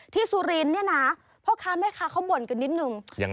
ที่สุรินเนี้ยนะพวกค้าแม่ค้าเข้าบ่นกันนิดหนึ่งยังไง